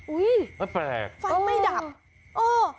อุ้ยไฟไม่ดับ